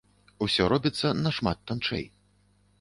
Усё робіцца нашмат танчэй.